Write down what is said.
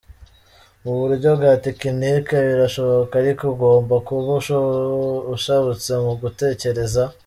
"Mu buryo bwa tekinike birashoboka, ariko ugomba kuba ushabutse mu gutekereza.